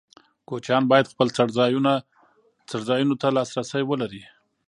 کوچیان باید خپل څړځایونو ته لاسرسی ولري.